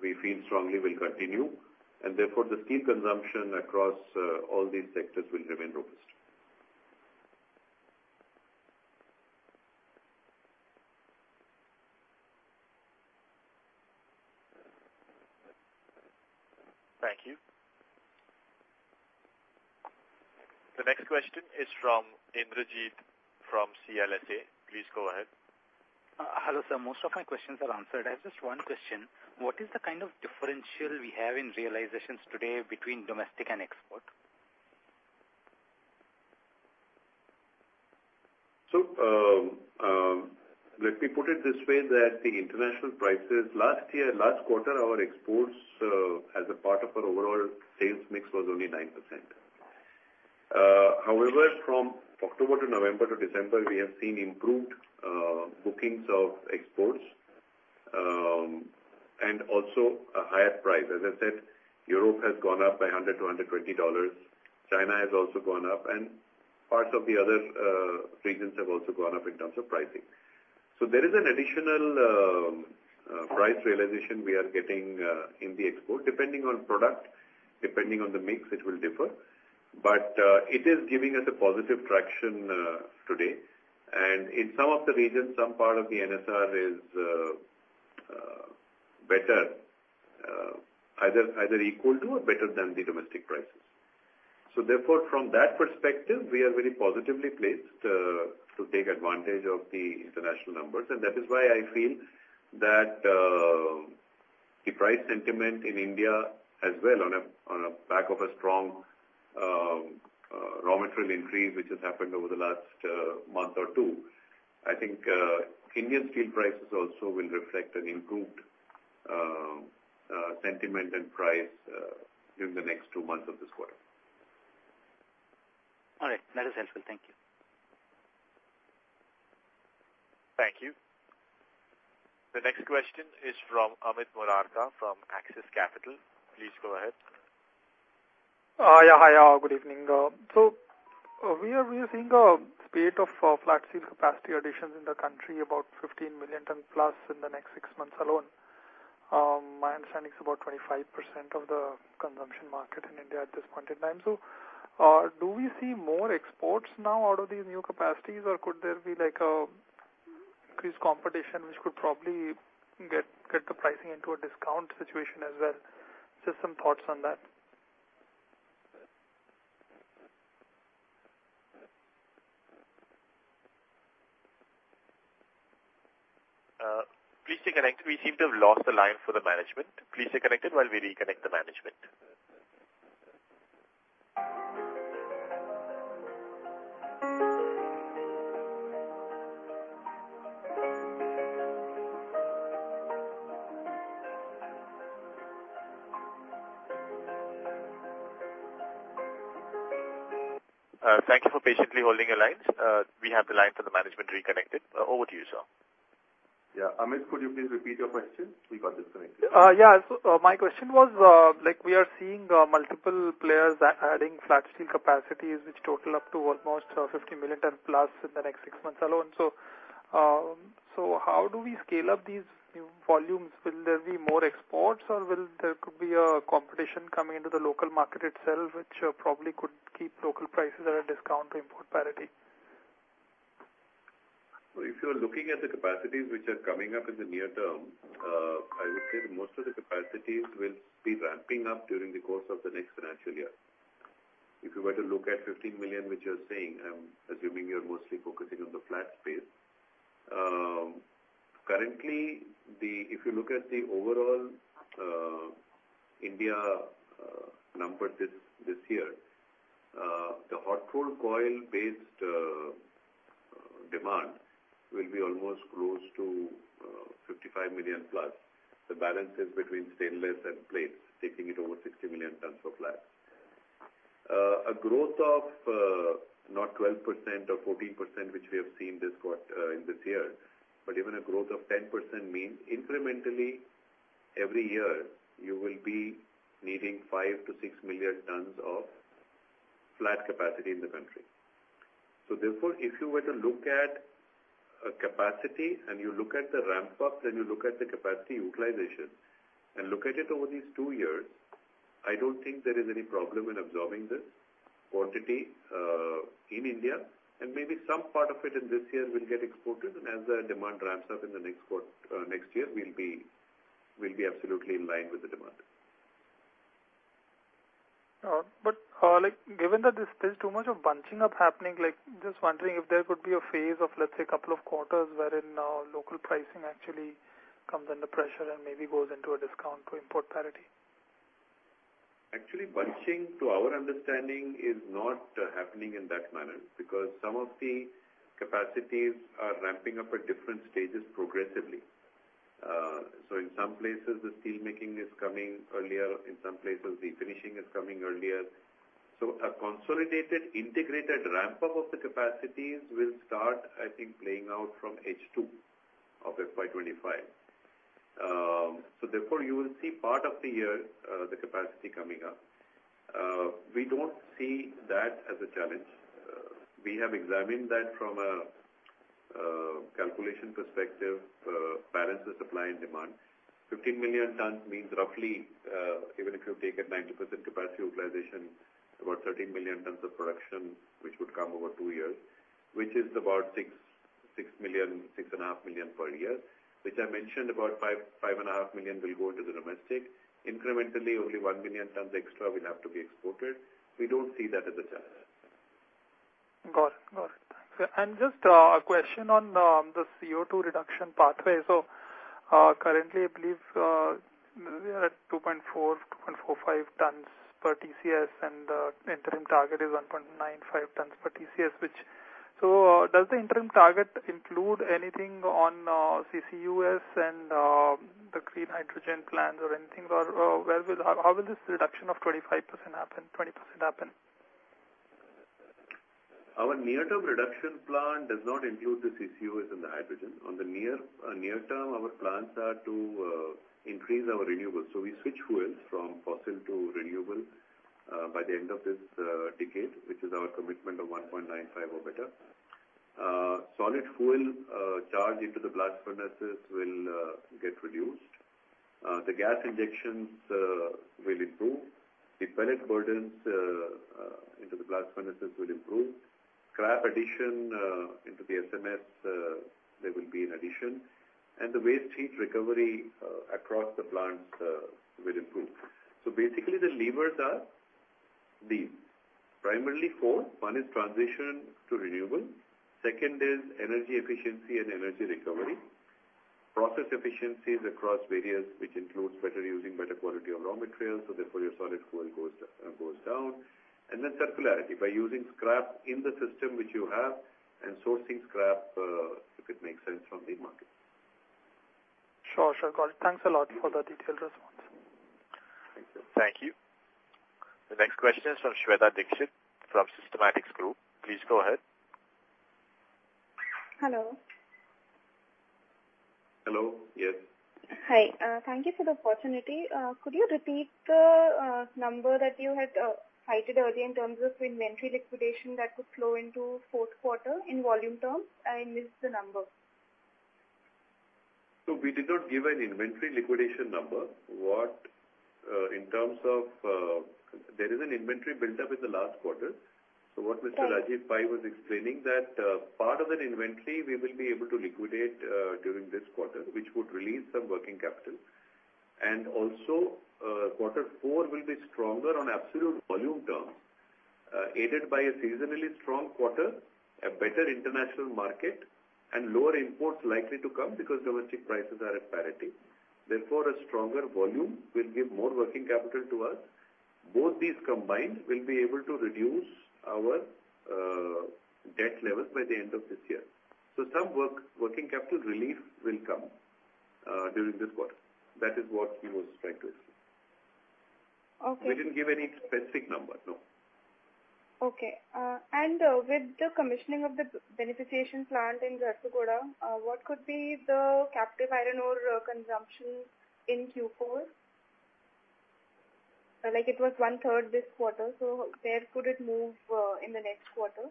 we feel strongly will continue, and therefore, the steel consumption across all these sectors will remain robust. Thank you. The next question is from Indrajit from CLSA. Please go ahead. Hello, sir. Most of my questions are answered. I have just one question. What is the kind of differential we have in realizations today between domestic and export? So, let me put it this way, that the international prices, last year, last quarter, our exports, as a part of our overall sales mix, was only 9%. However, from October to November to December, we have seen improved bookings of exports, and also a higher price. As I said, Europe has gone up by $100-$120. China has also gone up, and parts of the other regions have also gone up in terms of pricing. So there is an additional price realization we are getting in the export. Depending on product, depending on the mix, it will differ. But it is giving us a positive traction today. In some of the regions, some part of the NSR is better, either equal to or better than the domestic prices. So therefore, from that perspective, we are very positively placed to take advantage of the international numbers. And that is why I feel that the price sentiment in India as well, on the back of a strong raw material increase, which has happened over the last month or two, I think, Indian steel prices also will reflect an improved sentiment and price during the next two months of this quarter. All right. That is helpful. Thank you. Thank you. The next question is from Amit Murarka from Axis Capital. Please go ahead. Yeah. Hi, all. Good evening. So we are seeing a spate of flat steel capacity additions in the country, about 15 million tons in the next six months alone. My understanding is about 25% of the consumption market in India at this point in time. So, do we see more exports now out of these new capacities, or could there be, like, a increased competition, which could probably get, get the pricing into a discount situation as well? Just some thoughts on that. Please stay connected. We seem to have lost the line for the management. Please stay connected while we reconnect the management. Thank you for patiently holding your lines. We have the line for the management reconnected. Over to you, sir. Yeah. Amit, could you please repeat your question? We got disconnected. Yeah. So my question was, like, we are seeing multiple players adding flat steel capacities, which total up to almost 50 million tons plus in the next six months alone. So how do we scale up these new volumes? Will there be more exports, or will there could be a competition coming into the local market itself, which probably could keep local prices at a discount to import parity? If you are looking at the capacities which are coming up in the near term, I would say most of the capacities will be ramping up during the course of the next financial year. If you were to look at 15 million tons, which you're saying, I'm assuming you're mostly focusing on the flat space. Currently, if you look at the overall India numbers this year, the hot rolled coil-based demand will be almost close to 55+ million tons. The balance is between stainless and plates, taking it over 60 million tons of flat. A growth of not 12% or 14%, which we have seen this quarter in this year, but even a growth of 10% means incrementally every year, you will be needing 5 millions tons-6 million tons of flat capacity in the country. So therefore, if you were to look at a capacity and you look at the ramp-up, then you look at the capacity utilization and look at it over these two years, I don't think there is any problem in absorbing this quantity in India. And maybe some part of it in this year will get exported, and as the demand ramps up in the next quarter, next year, we'll be, we'll be absolutely in line with the demand.... but, like, given that there's still too much of bunching up happening, like, just wondering if there could be a phase of, let's say, couple of quarters wherein, local pricing actually comes under pressure and maybe goes into a discount to import parity. Actually, bunching, to our understanding, is not happening in that manner, because some of the capacities are ramping up at different stages progressively. So in some places, the steelmaking is coming earlier, in some places, the finishing is coming earlier. So a consolidated, integrated ramp-up of the capacities will start, I think, playing out from H2 of FY 2025. So therefore, you will see part of the year, the capacity coming up. We don't see that as a challenge. We have examined that from a, calculation perspective, balance of supply and demand. 15 million tons means roughly, even if you take a 90% capacity utilization, about 13 million tons of production, which would come over two years, which is about 6 million tons-6.5 million tons per year. Which I mentioned, about 5 million tons-5.5 million tons will go to the domestic. Incrementally, only 1 million tons extra will have to be exported. We don't see that as a challenge. Got it. Got it. And just a question on the CO2 reduction pathway. So currently, I believe, we are at 2.45 tons per TCS, and the interim target is 1.95 tons per TCS. Which— So does the interim target include anything on CCUS and the clean hydrogen plans or anything? Or where will— How will this reduction of 25% happen, 20% happen? Our near-term reduction plan does not include the CCUS and the hydrogen. On the near term, our plans are to increase our renewables. So we switch fuels from fossil to renewables by the end of this decade, which is our commitment of 1.95 or better. Solid fuel charge into the blast furnaces will get reduced. The gas injections will improve. The pellet burdens into the blast furnaces will improve. Scrap addition into the SMS, there will be an addition. And the waste heat recovery across the plants will improve. So basically, the levers are the primarily four. One is transition to renewable. Second is energy efficiency and energy recovery. Process efficiencies across various, which includes better using better quality of raw materials, so therefore, your solid fuel goes down, and then circularity, by using scrap in the system which you have and sourcing scrap, if it makes sense from the market. Sure, sure. Got it. Thanks a lot for the detailed response. Thank you. Thank you. The next question is from Shweta Dikshit from Systematix Group. Please go ahead. Hello. Hello, yes. Hi, thank you for the opportunity. Could you repeat the number that you had cited earlier in terms of inventory liquidation that would flow into fourth quarter in volume terms? I missed the number. So we did not give an inventory liquidation number. There is an inventory built up in the last quarter. Yes. So what Mr. Rajeev Pai was explaining, that, part of that inventory, we will be able to liquidate, during this quarter, which would release some working capital. And also, quarter four will be stronger on absolute volume terms, aided by a seasonally strong quarter, a better international market, and lower imports likely to come because domestic prices are at parity. Therefore, a stronger volume will give more working capital to us. Both these combined will be able to reduce our, debt levels by the end of this year. So some working capital relief will come, during this quarter. That is what he was trying to explain. Okay. We didn't give any specific number, no. Okay. With the commissioning of the beneficiation plant in Jharsuguda, what could be the captive iron ore consumption in Q4? Like, it was one third this quarter, so where could it move in the next quarter?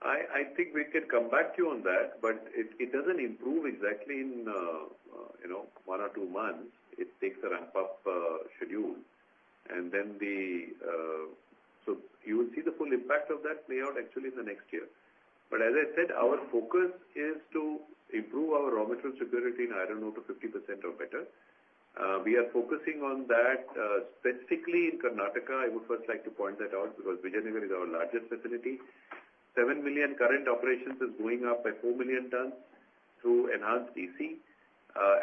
I think we could come back to you on that, but it doesn't improve exactly in, you know, one or two months. It takes a ramp-up schedule, and then the... So you will see the full impact of that play out actually in the next year. But as I said, our focus is to improve our raw material security in iron ore to 50% or better. We are focusing on that, specifically in Karnataka. I would first like to point that out, because Vijayanagar is our largest facility. Seven million current operations is going up by four million tons to enhance EC.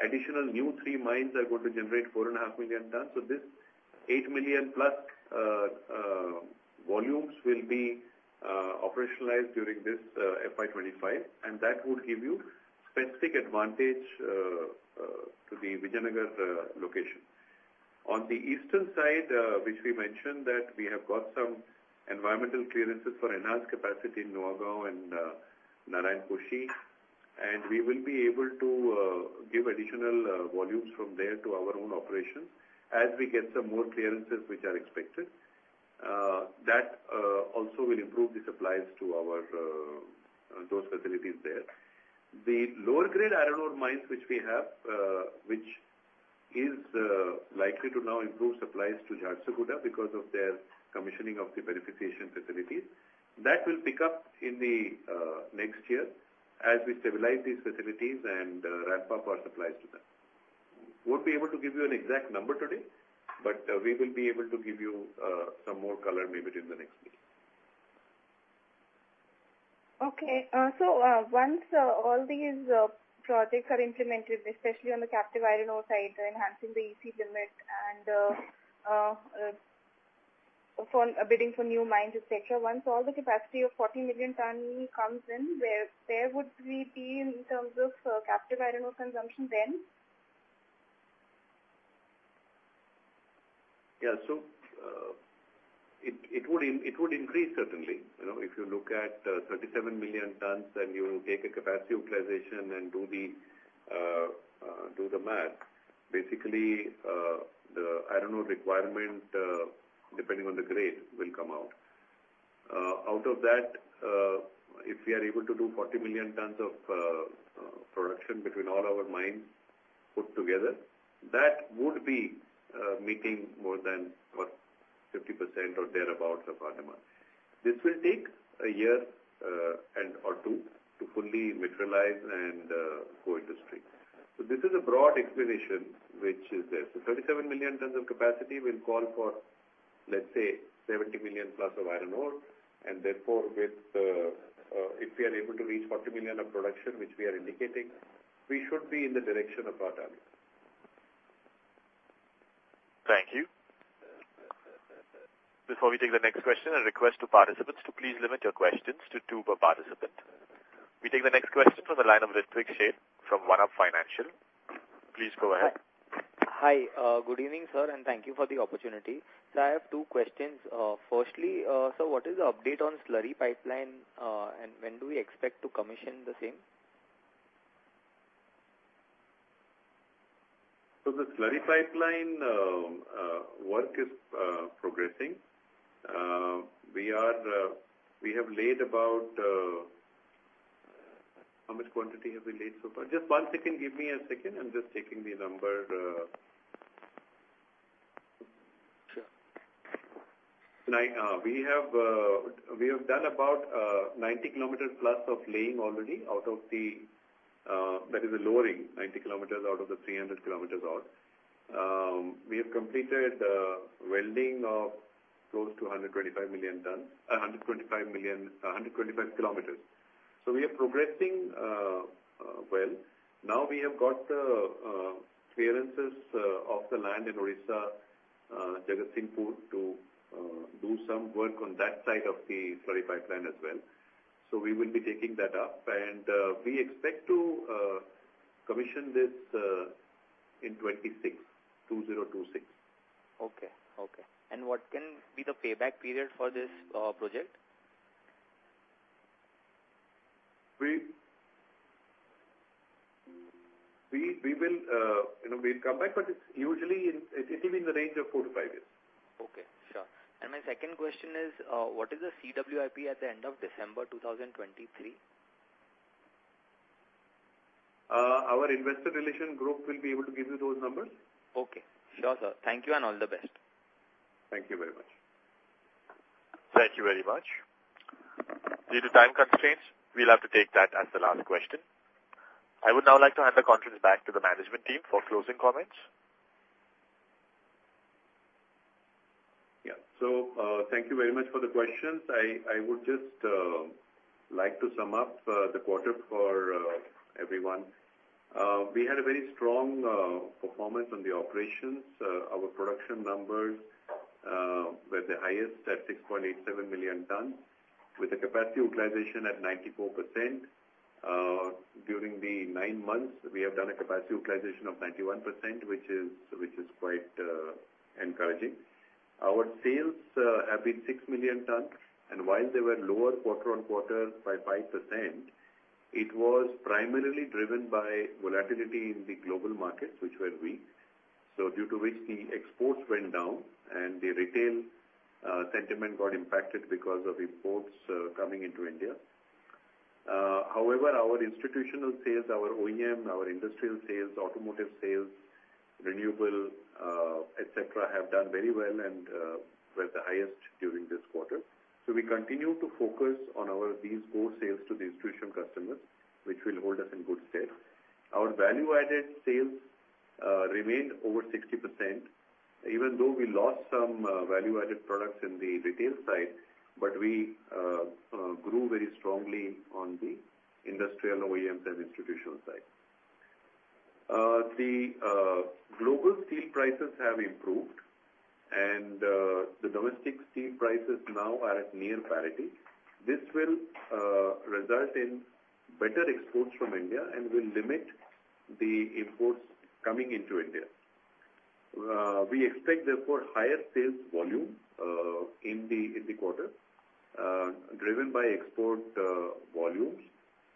Additional new three mines are going to generate 4.5 million tons. So this 8+ million volumes will be operationalized during this FY 2025, and that would give you specific advantage to the Vijayanagar location. On the eastern side, which we mentioned that we have got some environmental clearances for enhanced capacity in Nuagaon and Narayanposhi, and we will be able to give additional volumes from there to our own operations as we get some more clearances, which are expected. That also will improve the supplies to our those facilities there. The lower-grade iron ore mines, which we have, which is likely to now improve supplies to Jharsuguda because of their commissioning of the beneficiation facilities, that will pick up in the next year... as we stabilize these facilities and ramp up our supplies to them. Won't be able to give you an exact number today, but, we will be able to give you, some more color maybe during the next week. Okay. So, once all these projects are implemented, especially on the captive iron ore site, enhancing the EC limit and for bidding for new mines, et cetera. Once all the capacity of 40 million tons comes in, where would we be in terms of captive iron ore consumption then? Yeah. So, it would increase certainly. You know, if you look at 37 million tons and you take a capacity utilization and do the math, basically, the iron ore requirement, depending on the grade, will come out. Out of that, if we are able to do 40 million tons of production between all our mines put together, that would be making more than what, 50% or thereabout of our demand. This will take a year and or two to fully materialize and go into stream. So this is a broad explanation, which is there. So 37 million tons of capacity will call for, let's say, 70+ million of iron ore, and therefore, with the, if we are able to reach 40 million of production, which we are indicating, we should be in the direction of our target. Thank you. Before we take the next question, a request to participants to please limit your questions to two per participant. We take the next question from the line of Ritwik Sheth from One Up Financial. Please go ahead. Hi. Good evening, sir, and thank you for the opportunity. So I have two questions. Firstly, so what is the update on slurry pipeline, and when do we expect to commission the same? So the Slurry Pipeline work is progressing. We are, we have laid about... How much quantity have we laid so far? Just one second. Give me a second. I'm just checking the number. Sure. And I, we have, we have done about 90+ km plus of laying already out of the, that is the lowering, 90 km out of the 300 km odd. We have completed welding of close to 125 km. So we are progressing well. Now we have got the clearances of the land in Odisha, Jagatsinghpur, to do some work on that side of the slurry pipeline as well. So we will be taking that up, and we expect to commission this in 2026. Okay. Okay. And what can be the payback period for this, project? We will, you know, we'll come back, but it's usually in the range of four to five years. Okay, sure. My second question is, what is the CWIP at the end of December 2023? Our investor relations group will be able to give you those numbers. Okay. Sure, sir. Thank you, and all the best. Thank you very much. Thank you very much. Due to time constraints, we'll have to take that as the last question. I would now like to hand the conference back to the management team for closing comments. Yeah. So, thank you very much for the questions. I would just like to sum up the quarter for everyone. We had a very strong performance on the operations. Our production numbers were the highest at 6.87 million tons, with a capacity utilization at 94%. During the nine months, we have done a capacity utilization of 91%, which is quite encouraging. Our sales have been 6 million tons, and while they were lower quarter-over-quarter by 5%, it was primarily driven by volatility in the global markets, which were weak. So due to which the exports went down and the retail sentiment got impacted because of imports coming into India. However, our institutional sales, our OEM, our industrial sales, automotive sales, renewable, et cetera, have done very well and were the highest during this quarter. So we continue to focus on our these core sales to the institutional customers, which will hold us in good stead. Our value-added sales remained over 60%, even though we lost some value-added products in the retail side, but we grew very strongly on the industrial, OEMs, and institutional side. The global steel prices have improved, and the domestic steel prices now are at near parity. This will result in better exports from India and will limit the imports coming into India. We expect, therefore, higher sales volume in the quarter, driven by export volumes,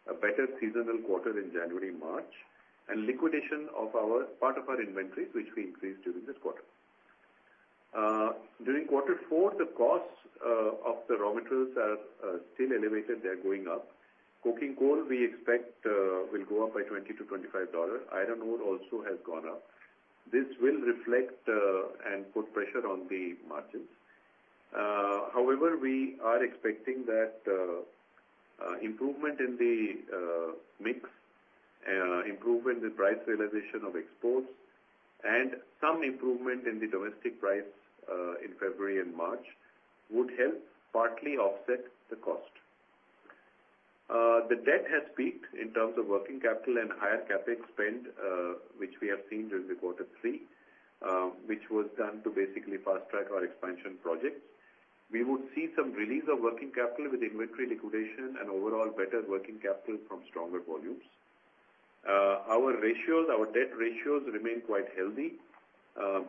a better seasonal quarter in January, March, and liquidation of our part of our inventories, which we increased during this quarter. During quarter four, the costs of the raw materials are still elevated. They're going up. Coking coal, we expect, will go up by $20-$25. Iron ore also has gone up. This will reflect and put pressure on the margins. However, we are expecting that improvement in the mix, improvement in price realization of exports, and some improvement in the domestic price in February and March, would help partly offset the cost. The debt has peaked in terms of working capital and higher CapEx spend, which we have seen during the quarter three, which was done to basically fast-track our expansion projects. We would see some release of working capital with inventory liquidation and overall better working capital from stronger volumes. Our ratios, our debt ratios remain quite healthy,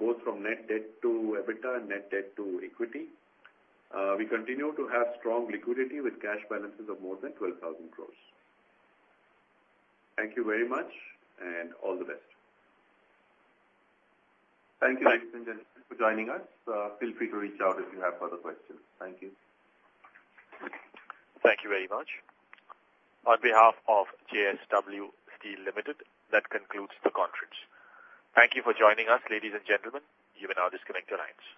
both from net debt to EBITDA and net debt to equity. We continue to have strong liquidity with cash balances of more than 12,000 crore. Thank you very much, and all the best. Thank you, ladies and gentlemen, for joining us. Feel free to reach out if you have further questions. Thank you. Thank you very much. On behalf of JSW Steel Limited, that concludes the conference. Thank you for joining us, ladies and gentlemen. You may now disconnect your lines.